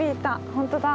本当だ。